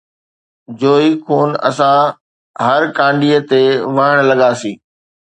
جوئي خُون اسان ھر ڪانڊيءَ تي وھڻ لڳاسين